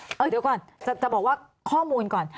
เดี๋ยวก่อนจะบอกว่าข้อมูลก่อน